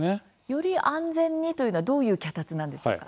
より安全にというのはどういう脚立なんでしょうか。